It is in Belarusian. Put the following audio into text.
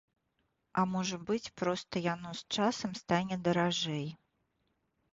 А можа быць, проста яно з часам стане даражэй.